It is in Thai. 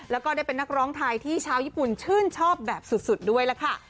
แล้วก็ได้เป็นนักร้องไทยที่ชาวญี่ปุ่นชื่นชอบแบบสุดด้วยล่ะค่ะ